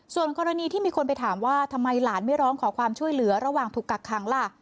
ส่วนกรณีที่มีคนไปถามว่าทำไมหลานไม่ร้องขอความช่วยเหลือระหว่างถูกกักขังล่ะ